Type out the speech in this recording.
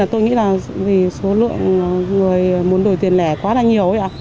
tôi nghĩ là vì số lượng người muốn đổi tiền lẻ quá là nhiều